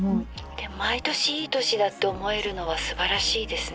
「でも毎年いい年だって思えるのはすばらしいですね」。